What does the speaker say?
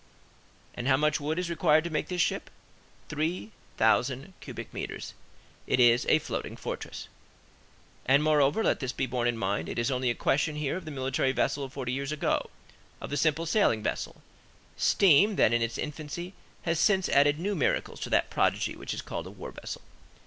And how much wood is required to make this ship? Three thousand cubic metres. It is a floating forest. And moreover, let this be borne in mind, it is only a question here of the military vessel of forty years ago, of the simple sailing vessel; steam, then in its infancy, has since added new miracles to that prodigy which is called a war vessel.